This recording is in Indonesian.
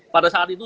pada saat itu